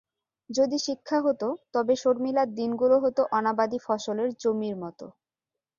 যদি শিক্ষা হত তবে শর্মিলার দিনগুলো হত অনাবাদি ফসলের জমির মতো।